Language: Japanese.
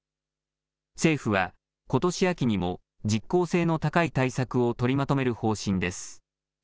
政府はことし秋にも実効性の高い対策を取りまとめる方針です。